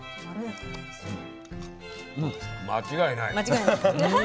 うん間違いない。